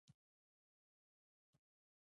له وزرو به يې شڼهاری پورته شو.